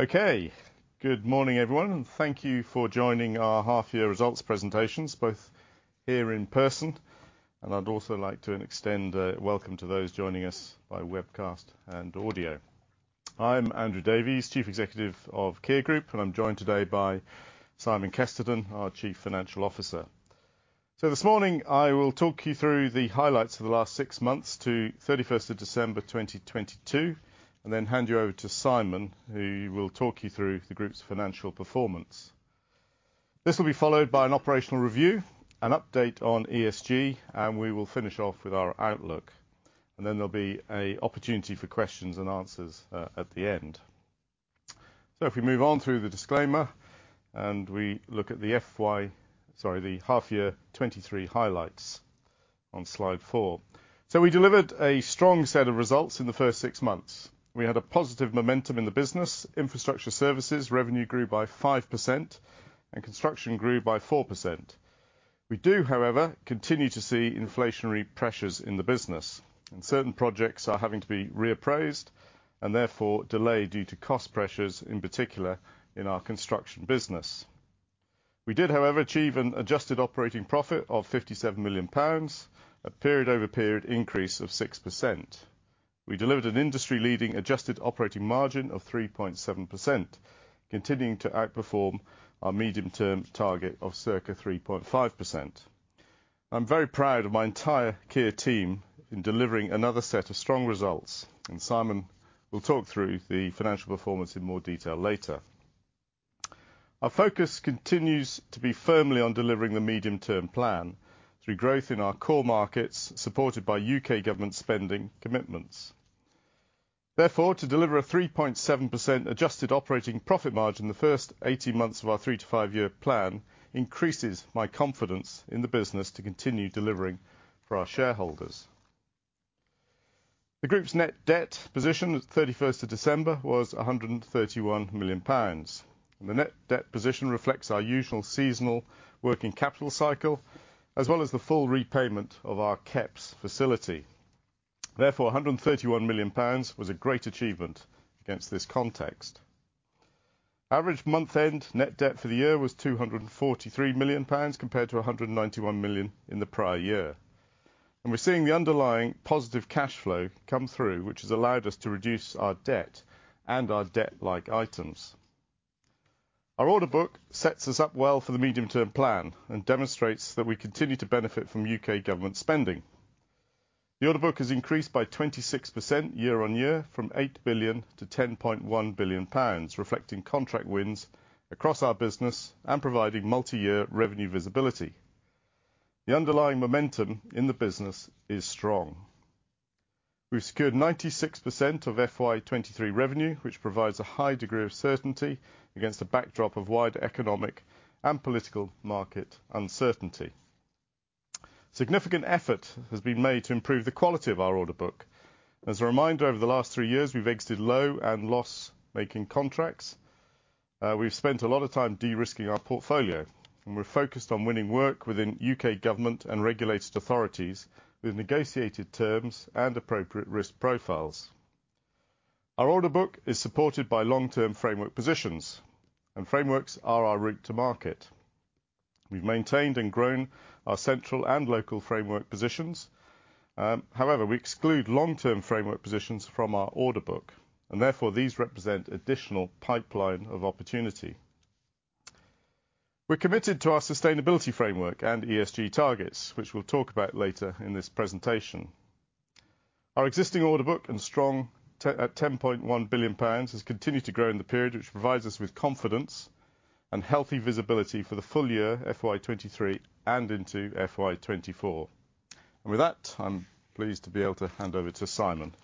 Okay. Good morning, everyone, and thank you for joining our half year results presentations, both here in person, and I'd also like to extend a welcome to those joining us by webcast and audio. I'm Andrew Davies, Chief Executive of Kier Group, and I'm joined today by Simon Kesterton, our Chief Financial Officer. This morning, I will talk you through the highlights of the last six months to 31st of December 2022, and then hand you over to Simon, who will talk you through the group's financial performance. This will be followed by an operational review, an update on ESG, and we will finish off with our outlook. There'll be a opportunity for questions and answers at the end. If we move on through the disclaimer, and we look at the half year 2023 highlights on Slide 4. We delivered a strong set of results in the first six months. We had a positive momentum in the business; infrastructure services revenue grew by 5% and construction grew by 4%. We do, however, continue to see inflationary pressures in the business, and certain projects are having to be reappraised and therefore delayed due to cost pressures, in particular in our construction business. We did, however, achieve an adjusted operating profit of 57 million pounds, a period-over-period increase of 6%. We delivered an industry leading adjusted operating margin of 3.7%, continuing to outperform our medium-term target of circa 3.5%. I'm very proud of my entire Kier team in delivering another set of strong results, and Simon will talk through the financial performance in more detail later. Our focus continues to be firmly on delivering the medium-term plan through growth in our core markets, supported by U.K. government spending commitments. Therefore, to deliver a 3.7% adjusted operating profit margin in the first 18 months of our 3–5-year plan increases my confidence in the business to continue delivering for our shareholders. The group's net debt position at 31 of December was 131 million pounds. The net debt position reflects our usual seasonal working capital cycle, as well as the full repayment of our CEPS facility. Therefore, 131 million pounds was a great achievement against this context. Average month-end net debt for the year was 243 million pounds compared to 191 million in the prior year. We're seeing the underlying positive cash flow come through, which has allowed us to reduce our debt and our debt-like items. Our order book sets us up well for the medium-term plan and demonstrates that we continue to benefit from U.K. government spending. The order book has increased by 26% year-on-year from 8 billion to 10.1 billion pounds, reflecting contract wins across our business and providing multiyear revenue visibility. The underlying momentum in the business is strong. We've secured 96% of FY 2023 revenue, which provides a high degree of certainty against a backdrop of wide economic and political market uncertainty. Significant effort has been made to improve the quality of our order book. As a reminder, over the last three years, we've exited low and loss-making contracts. We've spent a lot of time de-risking our portfolio, we're focused on winning work within U.K. government and regulated authorities with negotiated terms and appropriate risk profiles. Our order book is supported by long-term framework positions; frameworks are our route to market. We've maintained and grown our central and local framework positions. However, we exclude long-term framework positions from our order book, therefore these represent additional pipeline of opportunity. We're committed to our sustainability framework and ESG targets, which we'll talk about later in this presentation. Our existing order book and strong at 10.1 billion pounds has continued to grow in the period which provides us with confidence and healthy visibility for the full year FY 2023 and into FY 2024. With that, I'm pleased to be able to hand over to Simon.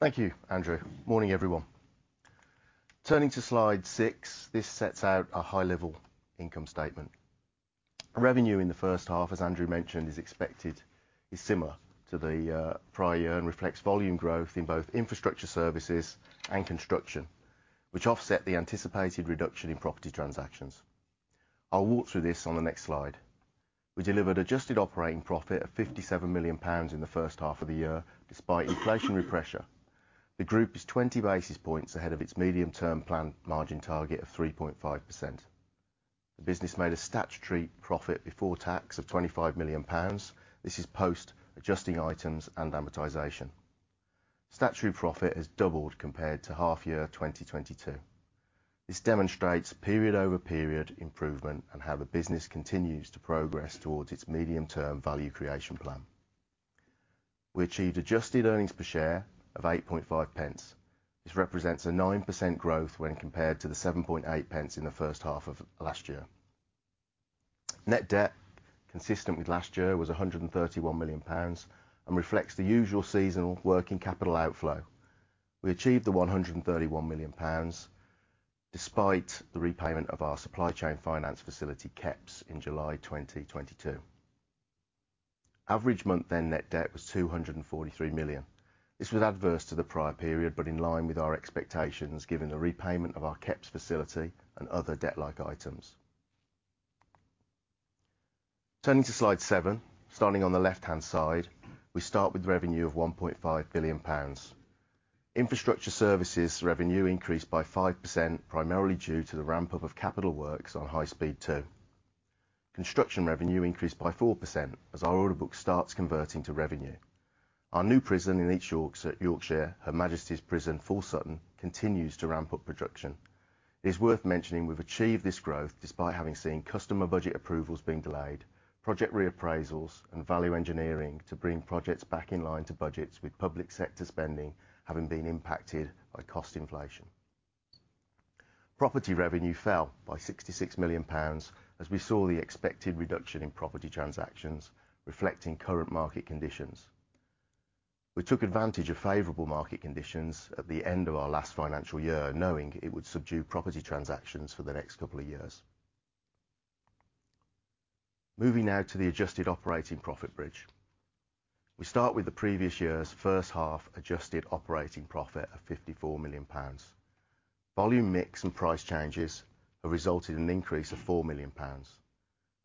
Thank you, Andrew. Morning, everyone. Turning to Slide 6, this sets out a high-level income statement. Revenue in the first half, as Andrew mentioned, is similar to the prior year and reflects volume growth in both infrastructure services and construction, which offset the anticipated reduction in property transactions. I'll walk through this on the next slide. We delivered adjusted operating profit of 57 million pounds in the first half of the year despite inflationary pressure. The group is 20 basis points ahead of its medium-term plan margin target of 3.5%. The business made a statutory profit before tax of 25 million pounds. This is post adjusting items and amortization. Statutory profit has doubled compared to half year 2022. This demonstrates period-over-period improvement and how the business continues to progress towards its medium-term value creation plan. We achieved adjusted earnings per share of 8.5 pence. This represents a 9% growth when compared to the 7.8 pence in the first half of last year. Net debt consistent with last year was 131 million pounds and reflects the usual seasonal working capital outflow. We achieved the 131 million pounds despite the repayment of our supply chain finance facility, CEPS, in July 2022. Average month-end net debt was 243 million. This was adverse to the prior period, but in line with our expectations, given the repayment of our CEPS facility and other debt-like items. Turning to Slide 7, starting on the left-hand side, we start with revenue of 1.5 billion pounds. Infrastructure services revenue increased by 5%, primarily due to the ramp up of capital works on High Speed Two. Construction revenue increased by 4% as our order book starts converting to revenue. Our new prison in East Yorks, Yorkshire, Her Majesty's Prison Full Sutton, continues to ramp up production. It is worth mentioning we've achieved this growth despite having seen customer budget approvals being delayed, project reappraisals and value engineering to bring projects back in line to budgets with public sector spending having been impacted by cost inflation. Property revenue fell by 66 million pounds as we saw the expected reduction in property transactions reflecting current market conditions. We took advantage of favorable market conditions at the end of our last financial year, knowing it would subdue property transactions for the next couple of years. Moving now to the adjusted operating profit bridge. We start with the previous year's first half adjusted operating profit of 54 million pounds. Volume mix and price changes have resulted in an increase of 4 million pounds.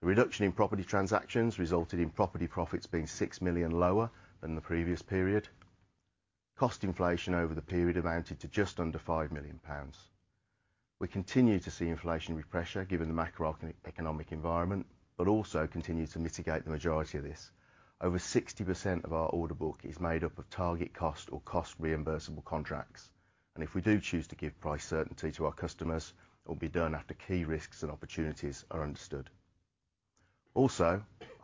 The reduction in property transactions resulted in property profits being 6 million lower than the previous period. Cost inflation over the period amounted to just under 5 million pounds. We continue to see inflationary pressure given the macroeconomic environment but also continue to mitigate the majority of this. Over 60% of our order book is made up of target cost or cost reimbursable contracts. If we do choose to give price certainty to our customers, it will be done after key risks and opportunities are understood.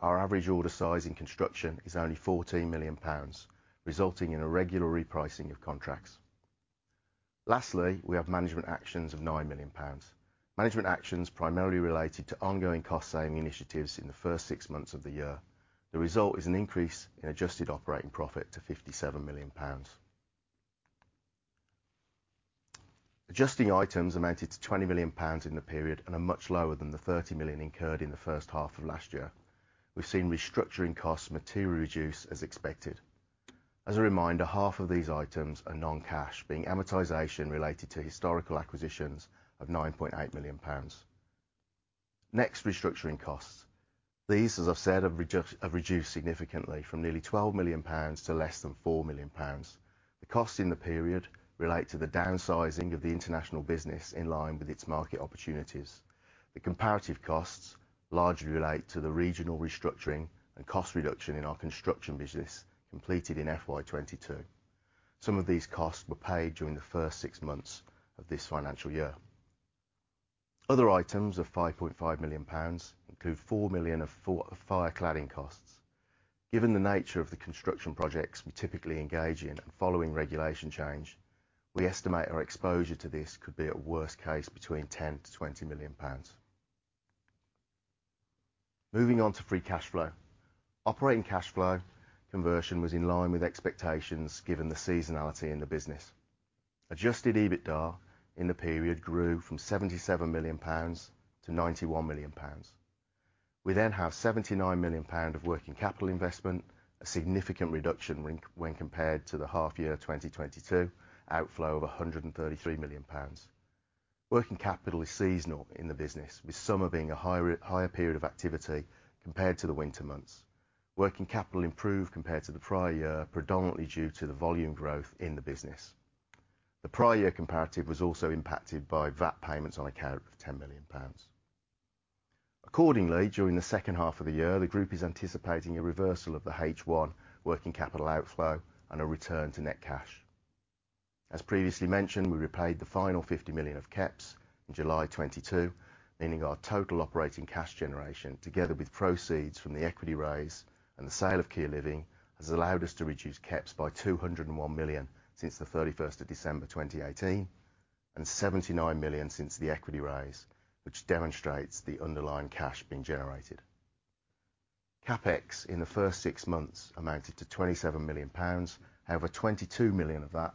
Our average order size in construction is only 14 million pounds, resulting in a regular repricing of contracts. Lastly, we have management actions of 9 million pounds. Management actions primarily related to ongoing cost-saving initiatives in the first six months of the year. The result is an increase in adjusted operating profit to 57 million pounds. Adjusting items amounted to 20 million pounds in the period and are much lower than the 30 million incurred in the first half of last year. We've seen restructuring costs materially reduce as expected. As a reminder, half of these items are non-cash, being amortization related to historical acquisitions of 9.8 million pounds. Restructuring costs. These, as I've said, have reduced significantly from nearly 12 million pounds to less than 4 million pounds. The costs in the period relate to the downsizing of the international business in line with its market opportunities. The comparative costs largely relate to the regional restructuring and cost reduction in our construction business completed in FY 2022. Some of these costs were paid during the first six months of this financial year. Other items of 5.5 million pounds include 4 million of fire cladding costs. Given the nature of the construction projects, we typically engage in and following regulation change, we estimate our exposure to this could be a worst case between 10 million-20 million pounds. Moving on to free cash flow. Operating cash flow conversion was in line with expectations given the seasonality in the business. Adjusted EBITDA in the period grew from 77 million pounds to 91 million pounds. We have 79 million pound of working capital investment, a significant reduction when compared to the half year 2022 outflow of 133 million pounds. Working capital is seasonal in the business, with summer being a higher period of activity compared to the winter months. Working capital improved compared to the prior year, predominantly due to the volume growth in the business. The prior year comparative was also impacted by VAT payments on account of 10 million pounds. During the second half of the year, the group is anticipating a reversal of the H1 working capital outflow and a return to net cash. As previously mentioned, we repaid the final 50 million of CEPS in July 2022, meaning our total operating cash generation, together with proceeds from the equity raise and the sale of Kier Living, has allowed us to reduce CEPS by 201 million since the 31st of December, 2018, and 79 million since the equity raise, which demonstrates the underlying cash being generated. CapEx in the first six months amounted to 27 million pounds. However, 22 million of that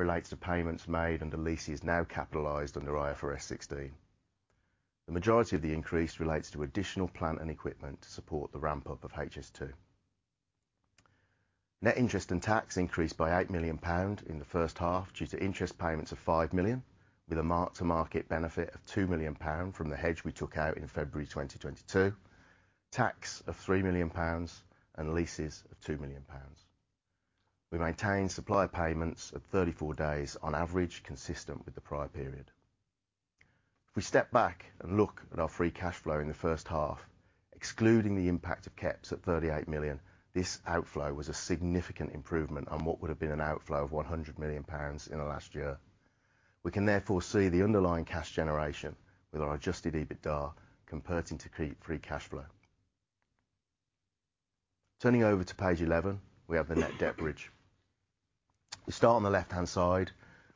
relates to payments made and the leases now capitalized under IFRS 16. The majority of the increase relates to additional plant and equipment to support the ramp up of HS2. Net interest and tax increased by 8 million pound in the first half due to interest payments of 5 million, with a mark to market benefit of 2 million pound from the hedge we took out in February 2022, tax of 3 million pounds and leases of 2 million pounds. We maintain supply payments of 34 days on average, consistent with the prior period. If we step back and look at our free cash flow in the first half, excluding the impact of CEPS at 38 million, this outflow was a significant improvement on what would have been an outflow of 100 million pounds in the last year. We can therefore see the underlying cash generation with our adjusted EBITDA converting to free cash flow. Turning over to Page 11, we have the net debt bridge. We start on the left-hand side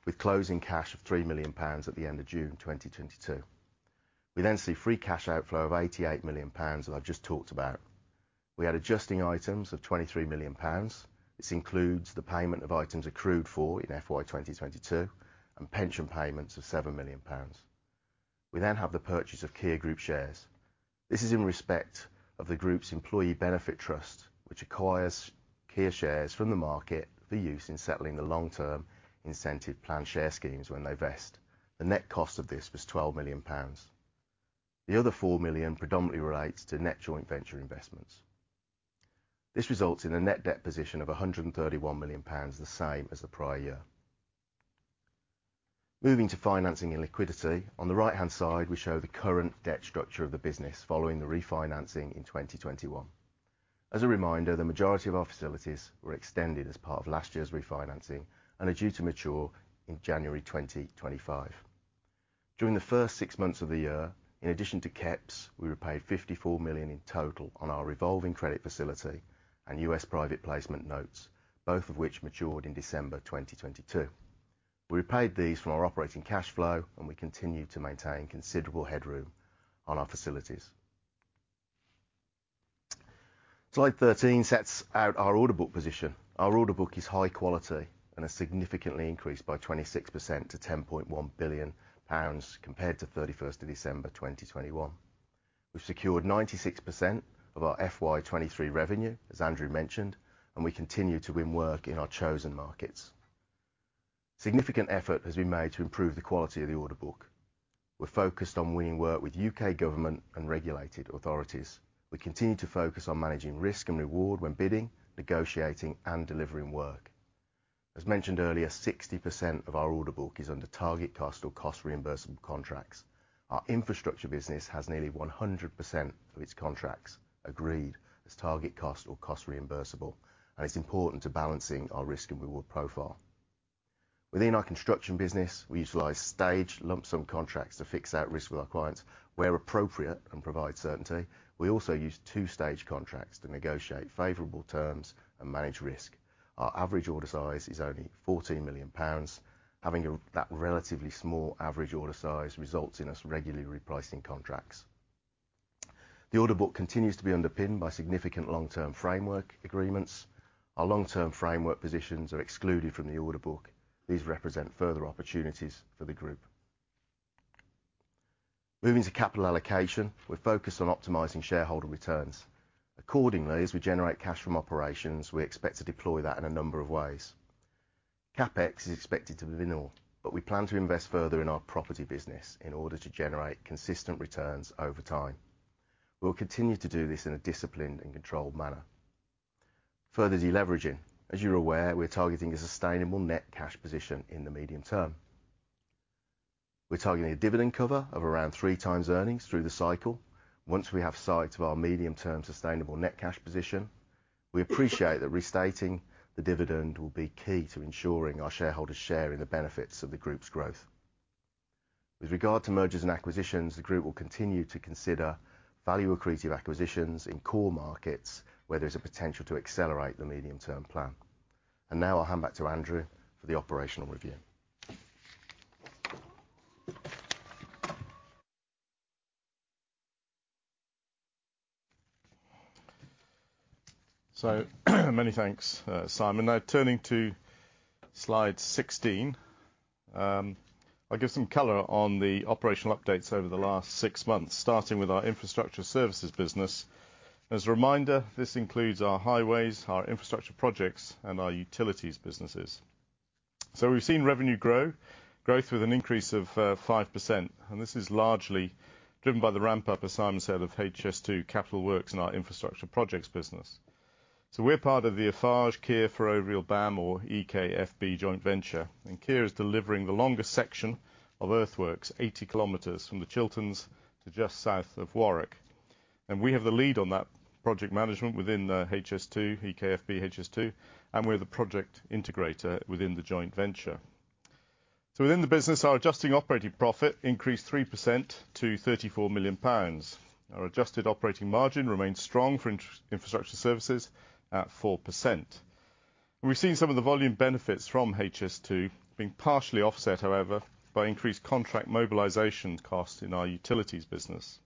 with closing cash of 3 million pounds at the end of June 2022. We see free cash outflow of 88 million pounds that I've just talked about. We had adjusting items of 23 million pounds. This includes the payment of items accrued for in FY 2022 and pension payments of 7 million pounds. We have the purchase of Kier Group shares. This is in respect of the group's employee benefit trust, which acquires Kier shares from the market for use in settling the long-term incentive plan share schemes when they vest. The net cost of this was 12 million pounds. The other 4 million predominantly relates to net joint venture investments. This results in a net debt position of 131 million pounds, the same as the prior year. Moving to financing and liquidity. On the right-hand side, we show the current debt structure of the business following the refinancing in 2021. As a reminder, the majority of our facilities were extended as part of last year's refinancing and are due to mature in January 2025. During the first six months of the year, in addition to caps, we repaid $54 million in total on our revolving credit facility and U.S. private placement notes, both of which matured in December 2022. We repaid these from our operating cash flow, and we continue to maintain considerable headroom on our facilities. Slide 13 sets out our order book position. Our order book is high quality and has significantly increased by 26% to 10.1 billion pounds compared to 31 December 2021. We've secured 96% of our FY 2023 revenue, as Andrew mentioned, and we continue to win work in our chosen markets. Significant effort has been made to improve the quality of the order book. We're focused on winning work with U.K. Government and regulated authorities. We continue to focus on managing risk and reward when bidding, negotiating, and delivering work. As mentioned earlier, 60% of our order book is under target cost or cost reimbursable contracts. Our infrastructure business has nearly 100% of its contracts agreed as target cost or cost reimbursable, and it's important to balancing our risk and reward profile. Within our construction business, we utilize staged lump sum contracts to fix that risk with our clients where appropriate and provide certainty. We also use two-stage contracts to negotiate favorable terms and manage risk. Our average order size is only 14 million pounds. Having that relatively small average order size results in us regularly repricing contracts. The order book continues to be underpinned by significant long-term framework agreements. Our long-term framework positions are excluded from the order book. These represent further opportunities for the group. Moving to capital allocation. We're focused on optimizing shareholder returns. Accordingly, as we generate cash from operations, we expect to deploy that in a number of ways. CapEx is expected to be minimal, but we plan to invest further in our property business in order to generate consistent returns over time. We'll continue to do this in a disciplined and controlled manner. Further deleveraging. As you're aware, we're targeting a sustainable net cash position in the medium term. We're targeting a dividend cover of around three times earnings through the cycle. Once we have sight of our medium-term sustainable net cash position, we appreciate that restating the dividend will be key to ensuring our shareholders share in the benefits of the group's growth. With regard to mergers and acquisitions, the group will continue to consider value-accretive acquisitions in core markets where there's a potential to accelerate the medium-term plan. Now I'll hand back to Andrew for the operational review. Many thanks, Simon. Now turning to Slide 16, I'll give some color on the operational updates over the last six months, starting with our infrastructure services business. As a reminder, this includes our highways, our infrastructure projects, and our utilities businesses. We've seen revenue growth with an increase of 5%, this is largely driven by the ramp up, as Simon said, of HS2 capital works in our infrastructure projects business. We're part of the Eiffage Kier Ferrovial BAM, or EKFB, joint venture, Kier is delivering the longest section of earthworks, 80 km from the Chilterns to just south of Warwick. We have the lead on that project management within the HS2, EKFB/HS2, we're the project integrator within the joint venture. Within the business, our adjusting operating profit increased 3% to GBP 34 million. Our adjusted operating margin remains strong for infrastructure services at 4%. We've seen some of the volume benefits from HS2 being partially offset, however, by increased contract mobilization costs in our utilities business.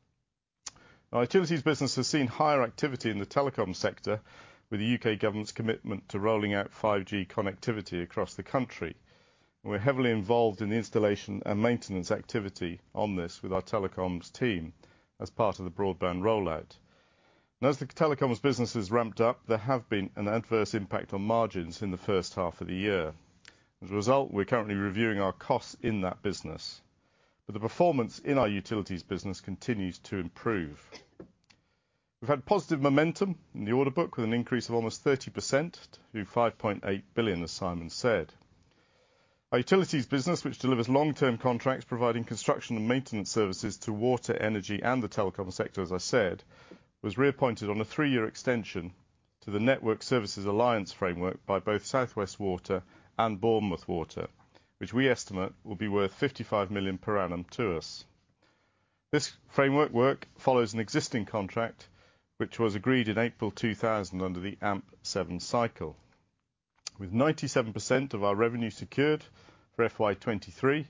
Our utilities business has seen higher activity in the telecom sector with the U.K. Government's commitment to rolling out 5G connectivity across the country. We're heavily involved in the installation and maintenance activity on this with our telecoms team as part of the broadband rollout. As the telecoms business has ramped up, there have been an adverse impact on margins in the first half of the year. As a result, we're currently reviewing our costs in that business. The performance in our utilities business continues to improve. We've had positive momentum in the order book with an increase of almost 30% to 5.8 billion, as Simon said. Our utilities business, which delivers long-term contracts providing construction and maintenance services to water, energy, and the telecom sector, as I said, was reappointed on a 3-year extension to the Network Services Alliance framework by both South West Water and Bournemouth Water, which we estimate will be worth 55 million per annum to us. This framework work follows an existing contract which was agreed in April 2000 under the AMP7 cycle. With 97% of our revenue secured for FY23,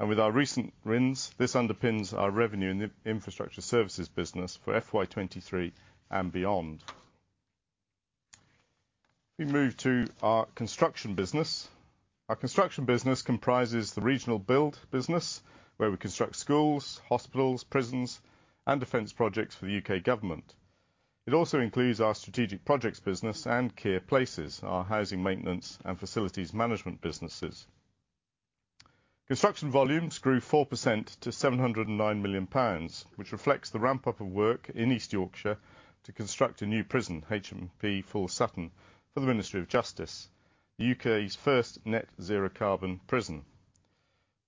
and with our recent wins, this underpins our revenue in the infrastructure services business for FY23 and beyond. We move to our construction business. Our construction business comprises the regional build business, where we construct schools, hospitals, prisons, and defense projects for the U.K. Government. It also includes our strategic projects business and Kier Places, our housing maintenance and facilities management businesses. Construction volumes grew 4% to 709 million pounds, which reflects the ramp-up of work in East Yorkshire to construct a new prison, HMP Full Sutton, for the Ministry of Justice, U.K.'s first net zero carbon prison.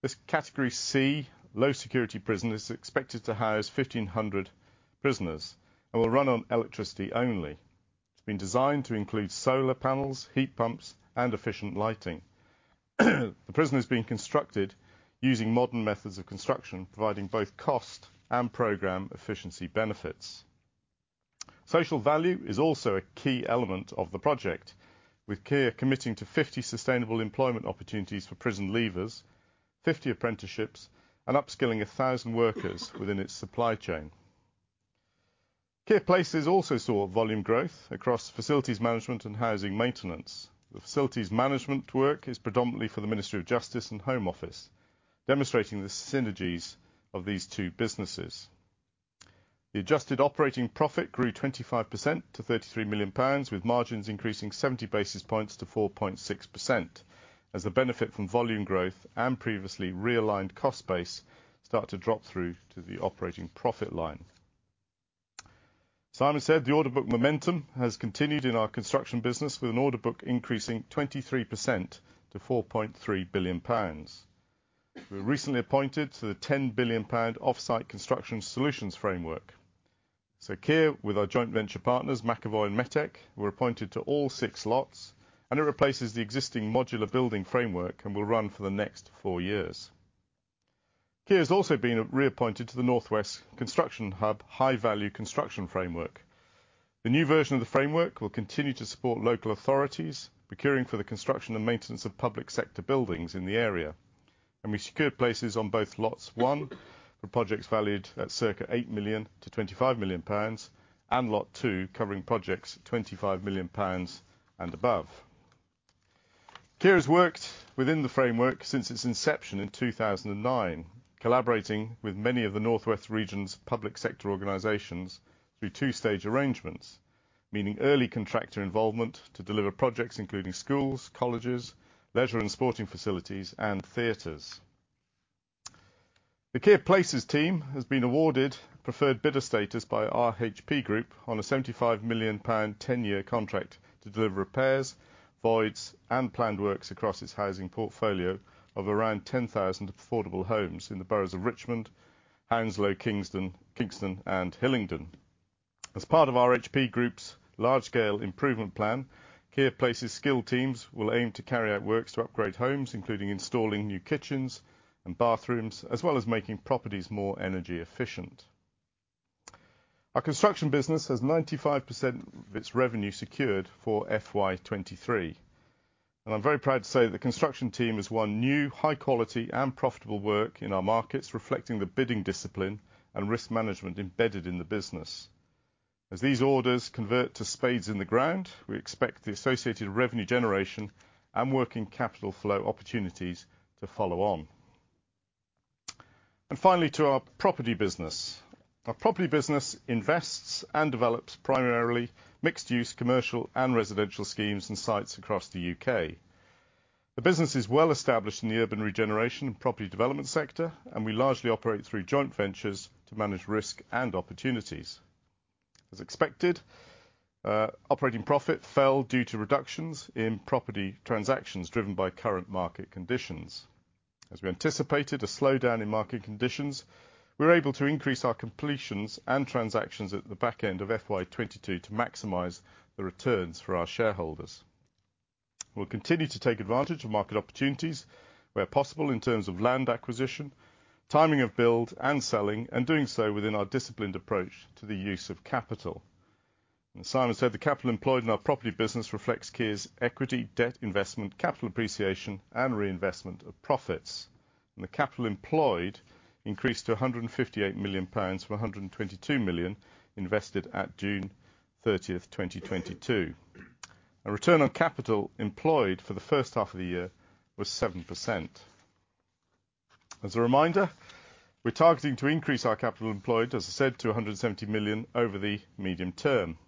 This category C, low security prison is expected to house 1,500 prisoners and will run on electricity only. It's been designed to include solar panels, heat pumps, and efficient lighting. The prison is being constructed using modern methods of construction, providing both cost and program efficiency benefits. Social value is also a key element of the project, with Kier committing to 50 sustainable employment opportunities for prison leavers, 50 apprenticeships, and upskilling 1,000 workers within its supply chain. Kier Places also saw volume growth across facilities management and housing maintenance. The facilities management work is predominantly for the Ministry of Justice and Home Office, demonstrating the synergies of these two businesses. The adjusted operating profit grew 25% to 33 million pounds, with margins increasing 70 basis points to 4.6% as the benefit from volume growth and previously realigned cost base start to drop through to the operating profit line. Simon said the order book momentum has continued in our construction business, with an order book increasing 23% to 4.3 billion pounds. We were recently appointed to the 10 billion pound offsite construction solutions framework. Kier, with our joint venture partners, McAvoy and Metek, were appointed to all six lots, and it replaces the existing modular building framework and will run for the next four years. Kier has also been reappointed to the North West Construction Hub high-value construction framework. The new version of the framework will continue to support local authorities procuring for the construction and maintenance of public sector buildings in the area. We secured places on both lots 1 for projects valued at circa 8 million-25 million pounds and lot 2, covering projects 25 million pounds and above. Kier has worked within the framework since its inception in 2009, collaborating with many of the Northwest region's public sector organizations through two-stage arrangements, meaning early contractor involvement to deliver projects including schools, colleges, leisure and sporting facilities, and theaters. The Kier Places team has been awarded preferred bidder status by RHP Group on a 75 million pound 10-year contract to deliver repairs, voids, and planned works across its housing portfolio of around 10,000 affordable homes in the boroughs of Richmond, Hounslow, Kingston and Hillingdon. As part of RHP Group's large-scale improvement plan, Kier Places skilled teams will aim to carry out works to upgrade homes, including installing new kitchens and bathrooms, as well as making properties more energy efficient. Our construction business has 95% of its revenue secured for FY 2023. I'm very proud to say the construction team has won new, high-quality and profitable work in our markets, reflecting the bidding discipline and risk management embedded in the business. As these orders convert to spades in the ground, we expect the associated revenue generation and working capital flow opportunities to follow on. Finally, to our property business. Our property business invests and develops primarily mixed-use commercial and residential schemes and sites across the U.K. The business is well established in the urban regeneration and property development sector, and we largely operate through joint ventures to manage risk and opportunities. As expected, operating profit fell due to reductions in property transactions driven by current market conditions. As we anticipated a slowdown in market conditions, we were able to increase our completions and transactions at the back end of FY 2022 to maximize the returns for our shareholders. We'll continue to take advantage of market opportunities where possible in terms of land acquisition, timing of build and selling, and doing so within our disciplined approach to the use of capital. Simon said the capital employed in our property business reflects Kier's equity, debt investment, capital appreciation and reinvestment of profits. The capital employed increased to 158 million pounds from 122 million invested at 30 June 2022. A return on capital employed for the first half of the year was 7%. As a reminder, we're targeting to increase our capital employed, as I said, to 170 million over the medium term.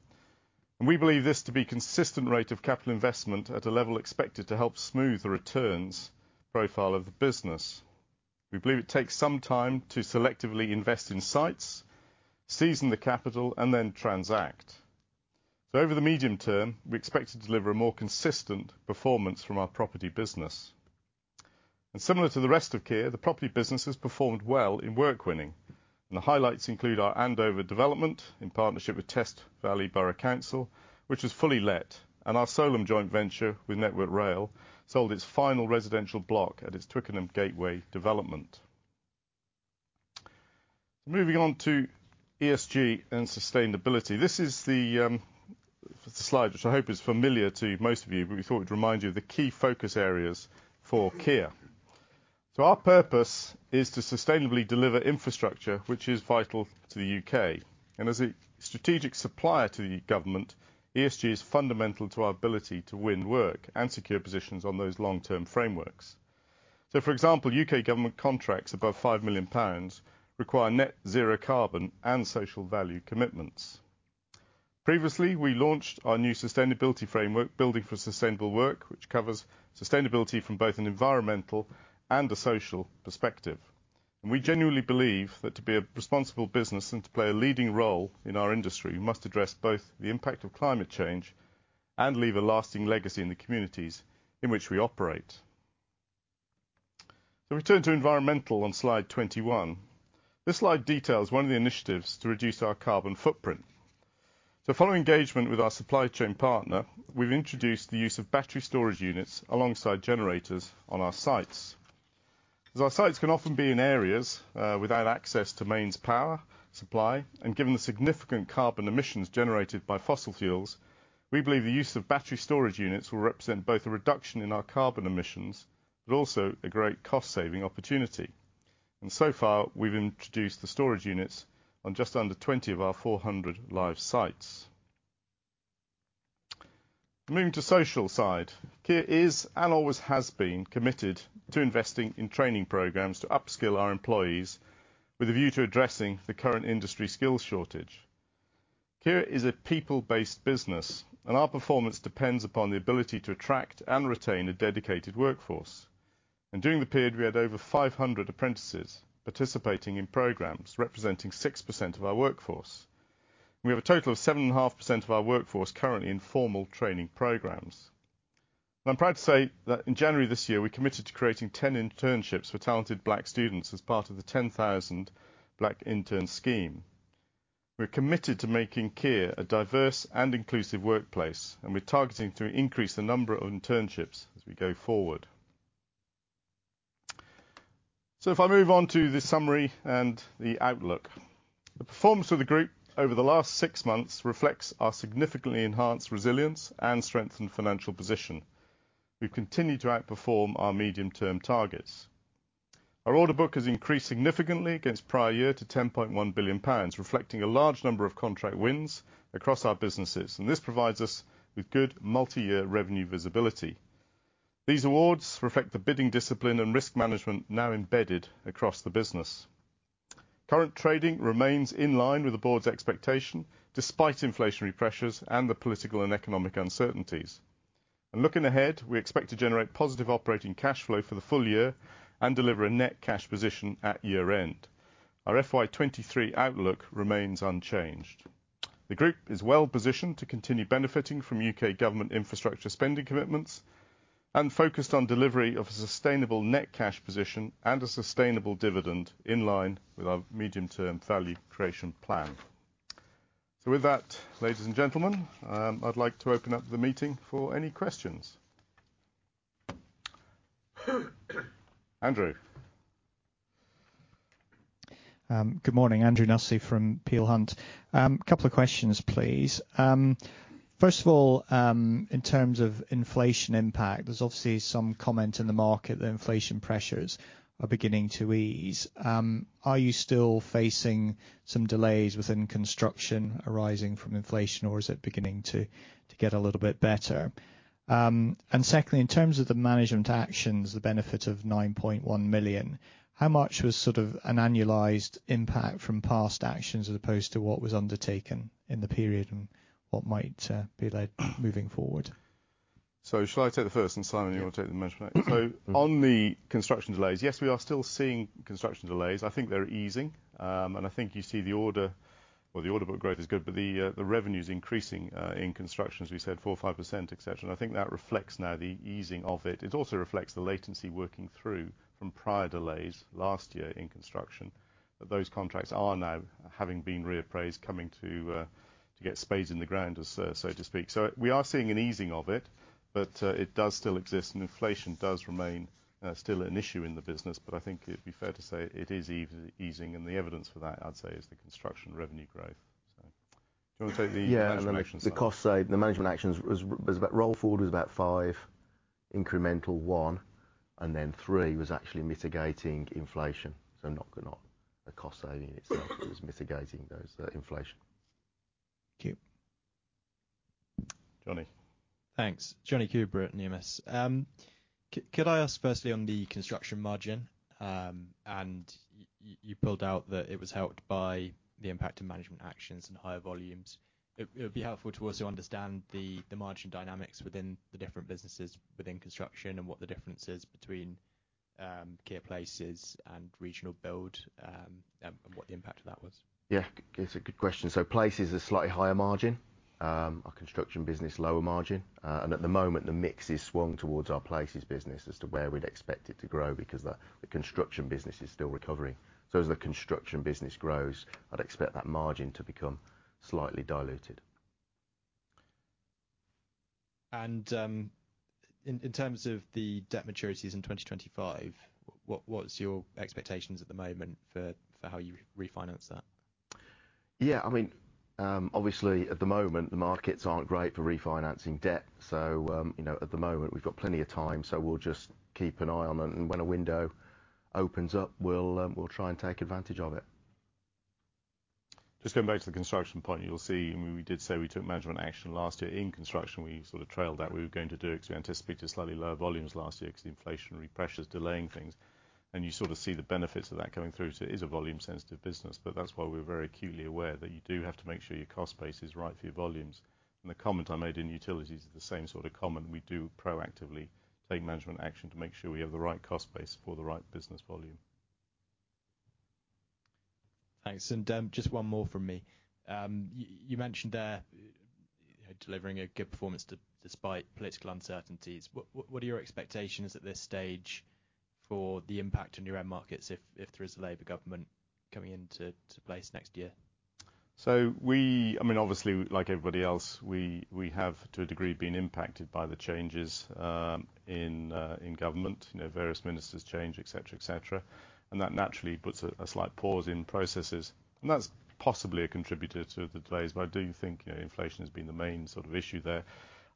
We believe this to be consistent rate of capital investment at a level expected to help smooth the returns profile of the business. We believe it takes some time to selectively invest in sites, season the capital and then transact. Over the medium term, we expect to deliver a more consistent performance from our property business. Similar to the rest of Kier, the property business has performed well in work winning, and the highlights include our Andover development in partnership with Test Valley Borough Council, which was fully let, and our Solum joint venture with Network Rail sold its final residential block at its Twickenham Gateway development. Moving on to ESG and sustainability. This is the slide which I hope is familiar to most of you, but we thought we'd remind you of the key focus areas for Kier. Our purpose is to sustainably deliver infrastructure which is vital to the U.K. As a strategic supplier to the government, ESG is fundamental to our ability to win work and secure positions on those long-term frameworks. For example, U.K. government contracts above 5 million pounds require net zero carbon and social value commitments. Previously, we launched our new sustainability framework, building for a Sustainable World, which covers sustainability from both an environmental and a social perspective. We genuinely believe that to be a responsible business and to play a leading role in our industry, we must address both the impact of climate change and leave a lasting legacy in the communities in which we operate. We turn to environmental on Slide 21. This slide details one of the initiatives to reduce our carbon footprint. Following engagement with our supply chain partner, we've introduced the use of battery storage units alongside generators on our sites. As our sites can often be in areas without access to mains power supply and given the significant carbon emissions generated by fossil fuels, we believe the use of battery storage units will represent both a reduction in our carbon emissions, but also a great cost-saving opportunity. So far, we've introduced the storage units on just under 20 of our 400 live sites. Moving to social side, Kier is, and always has been, committed to investing in training programs to upskill our employees with a view to addressing the current industry skills shortage. Kier is a people-based business, and our performance depends upon the ability to attract and retain a dedicated workforce. During the period, we had over 500 apprentices participating in programs representing 6% of our workforce. We have a total of 7.5% of our workforce currently in formal training programs. I'm proud to say that in January this year, we committed to creating 10 internships for talented Black students as part of the 10,000 Black Interns scheme. We're committed to making Kier a diverse and inclusive workplace, and we're targeting to increase the number of internships as we go forward. If I move on to the summary and the outlook. The performance of the group over the last six months reflects our significantly enhanced resilience and strengthened financial position. We've continued to outperform our medium-term targets. Our order book has increased significantly against prior year to 10.1 billion pounds, reflecting a large number of contracts wins across our businesses. This provides us with good multi-year revenue visibility. These awards reflect the bidding discipline and risk management now embedded across the business. Current trading remains in line with the board's expectation despite inflationary pressures and the political and economic uncertainties. Looking ahead, we expect to generate positive operating cash flow for the full year and deliver a net cash position at year-end. Our FY 2023 outlook remains unchanged. The group is well positioned to continue benefiting from U.K. government infrastructure spending commitments and focused on delivery of a sustainable net cash position and a sustainable dividend in line with our medium-term value creation plan. With that, ladies and gentlemen, I'd like to open up the meeting for any questions. Andrew. Good morning. Andrew Nussey from Peel Hunt. A couple of questions, please. First of all, in terms of inflation impact, there's obviously some comment in the market that inflation pressures are beginning to ease. Are you still facing some delays within construction arising from inflation, or is it beginning to get a little bit better? Secondly, in terms of the management actions, the benefit of 9.1 million, how much was sort of an annualized impact from past actions as opposed to what was undertaken in the period and what might be led moving forward? Should I take the first and Simon, you want to take the management action? On the construction delays, yes, we are still seeing construction delays. I think they're easing, and I think you see the order, well, the order book growth is good, but the revenue's increasing in construction, as we said, 4%, 5%, et cetera. I think that reflects now the easing of it. It also reflects the latency working through from prior delays last year in construction. Those contracts are now, having been reappraised, coming to get spades in the ground, as so to speak. We are seeing an easing of it, but it does still exist and inflation does remain still an issue in the business. I think it'd be fair to say it is easing, and the evidence for that, I'd say, is the construction revenue growth. Do you want to take the management actions? Yeah. The cost side, the management actions was about roll forward was about 5, incremental 1, and then 3 was actually mitigating inflation. Not a cost saving itself. It was mitigating those inflation. Thank you. Johnny. Thanks. Johnny Cooper at HSBC. Could I ask firstly on the construction margin, and you pulled out that it was helped by the impact of management actions and higher volumes. It'd be helpful to also understand the margin dynamics within the different businesses within construction and what the difference is between Kier Places and Regional Build, and what the impact of that was? Yeah, it's a good question. Places is a slightly higher margin. Our construction business lower margin. At the moment, the mix is swung towards our Places business as to where we'd expect it to grow because the construction business is still recovering. As the construction business grows, I'd expect that margin to become slightly diluted. In terms of the debt maturities in 2025, what's your expectations at the moment for how you refinance that? Yeah, I mean, obviously at the moment, the markets aren't great for refinancing debt. You know, at the moment we've got plenty of time, so we'll just keep an eye on them. When a window opens up, we'll try and take advantage of it. Just going back to the construction point, you'll see when we did say we took management action last year in construction, we sort of trailed that we were going to do it because we anticipated slightly lower volumes last year because the inflationary pressures delaying things, and you sort of see the benefits of that coming through. It is a volume sensitive business, but that's why we're very acutely aware that you do have to make sure your cost base is right for your volumes. The comment I made in utilities is the same sort of comment. We do proactively take management action to make sure we have the right cost base for the right business volume. Thanks. Just one more from me. You mentioned delivering a good performance despite political uncertainties. What are your expectations at this stage for the impact on your end markets if there is a Labor government coming into place next year? I mean, obviously like everybody else, we have, to a degree, been impacted by the changes in government. You know, various ministers change, et cetera, et cetera. That naturally puts a slight pause in processes. That's possibly a contributor to the delays, but I do think, you know, inflation has been the main sort of issue there.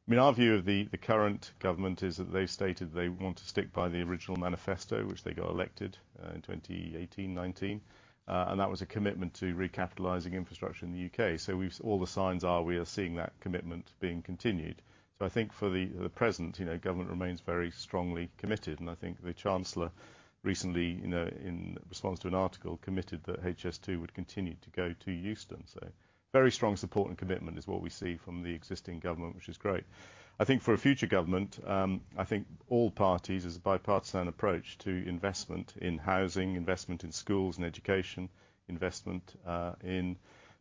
I mean, our view of the current government is that they've stated they want to stick by the original manifesto, which they got elected in 2018, 2019. That was a commitment to recapitalizing infrastructure in the U.K. All the signs are we are seeing that commitment being continued. I think for the present, you know, government remains very strongly committed, and I think the chancellor recently, you know, in response to an article, committed that HS2 would continue to go to Euston. Very strong support and commitment is what we see from the existing government, which is great. I think for a future government, I think all parties, as a bipartisan approach to investment in housing, investment in schools and education, investment in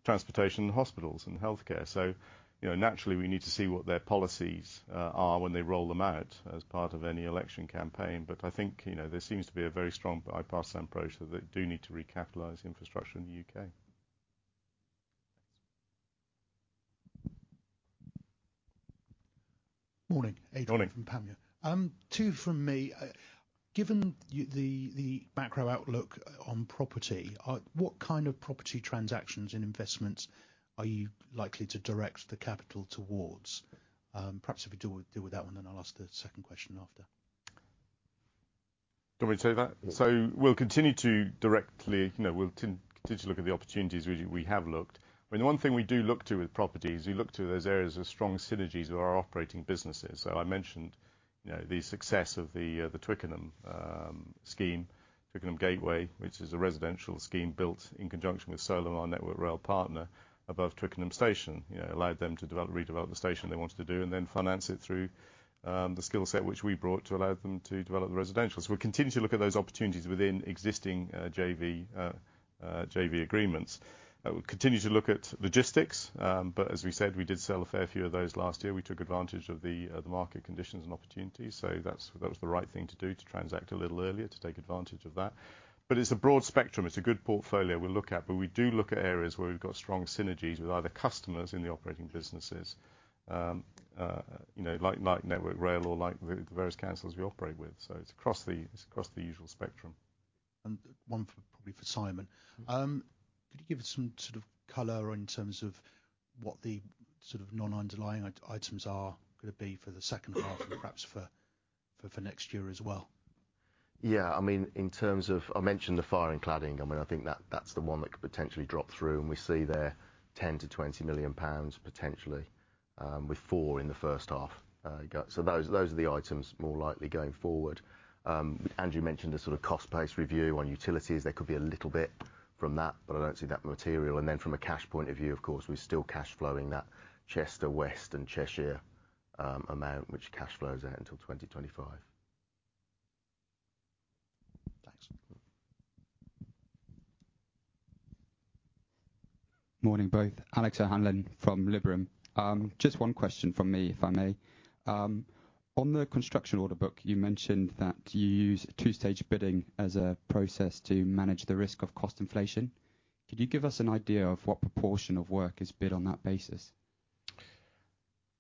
transportation, hospitals and healthcare. You know, naturally, we need to see what their policies are when they roll them out as part of any election campaign. I think, you know, there seems to be a very strong bipartisan approach that do need to recapitalize infrastructure in the U.K. Morning. Morning. Adrian from Panmure. two from me. Given the macro-outlook on property, what kind of property transactions and investments are you likely to direct the capital towards? Perhaps if you deal with that one, then I'll ask the second question after. Do you want me to take that? Yeah. We'll continue to, you know, continue to look at the opportunities we have looked. I mean, the one thing we do look to with properties, we look to those areas of strong synergies with our operating businesses. I mentioned, you know, the success of the Twickenham scheme, Twickenham Gateway, which is a residential scheme built in conjunction with Solum, our Network Rail partner, above Twickenham station. You know, it allowed them to redevelop the station they wanted to do and then finance it through the skill set which we brought to allow them to develop the residential. We continue to look at those opportunities within existing JV agreements. We continue to look at logistics, but as we said, we did sell a fair few of those last year. We took advantage of the market conditions and opportunities. That was the right thing to do to transact a little earlier to take advantage of that. It's a broad spectrum. It's a good portfolio we look at. We do look at areas where we've got strong synergies with either customers in the operating businesses, you know, like Network Rail or like the various councils we operate with. It's across the usual spectrum. One for, probably for Simon. Could you give us some sort of color in terms of what the sort of non-underlying items are gonna be for the second half and perhaps for next year as well? Yeah, I mean, in terms of, I mentioned the fire and cladding. I mean, I think that's the one that could potentially drop through, and we see there 10 million-20 million pounds potentially, with 4 in the first half, go. Those are the items more likely going forward. Andrew mentioned a sort of cost-based review on utilities. There could be a little bit from that, but I don't see that material. From a cash point of view, of course, we're still cash flowing that Cheshire West and Chester amount, which cash flows out until 2025. Thanks. Morning, both. Alex O'Hanlon from Liberum. Just one question from me, if I may. On the construction order book, you mentioned that you use two-stage bidding as a process to manage the risk of cost inflation. Could you give us an idea of what proportion of work is bid on that basis?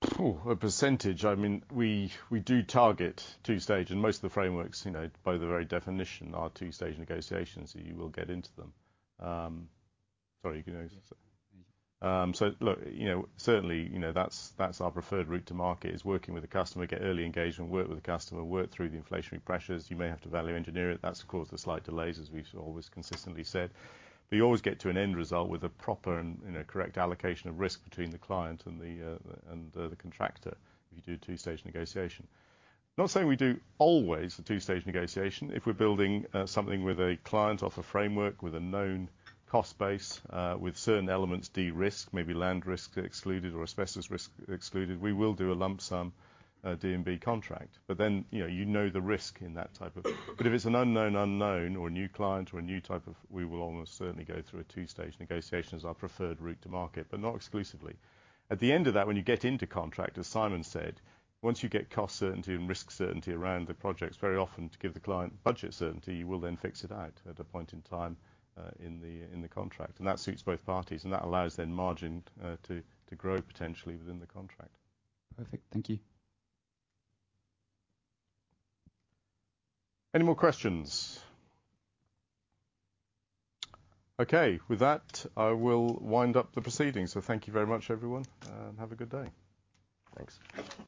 Phew. A %, I mean, we do target two-stage. Most of the frameworks, you know, by the very definition are two-stage negotiations, so you will get into them. Sorry, you can go next. Look, you know, certainly, you know, that's our preferred route to market, is working with the customer, get early engagement, work with the customer, work through the inflationary pressures. You may have to value engineer it. That's, of course, the slight delays, as we've always consistently said. You always get to an end result with a proper and, you know, correct allocation of risk between the client and the contractor if you do two-stage negotiation. Not saying we do always the two-stage negotiation. If we're building, something with a client off a framework with a known cost base, with certain elements de-risked, maybe land risk excluded or asbestos risk excluded, we will do a lump sum, D&B contract. You know, you know the risk in that. If it's an unknown unknown or a new client or a new type of, we will almost certainly go through a two-stage negotiation as our preferred route to market, but not exclusively. At the end of that, when you get into contract, as Simon said, once you get cost certainty and risk certainty around the projects, very often to give the client budget certainty, you will then fix it out at a point in time, in the, in the contract. That suits both parties, and that allows then margin to grow potentially within the contract. Perfect. Thank you. Any more questions? Okay. With that, I will wind up the proceedings. Thank you very much, everyone, and have a good day. Thanks.